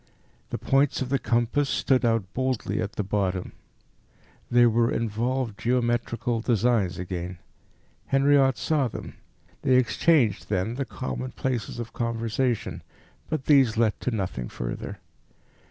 The points of the compass stood out boldly at the bottom. There were involved geometrical designs again. Henriot saw them. They exchanged, then, the commonplaces of conversation, but these led to nothing further.